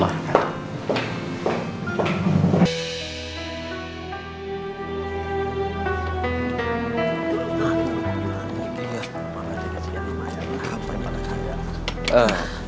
hati hati ya sayang waalaikumsalam warahmatullah